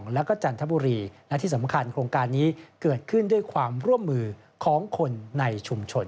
และที่สำคัญในโครงการนี้เกิดขึ้นด้วยความร่วมมือของคนในชุมชน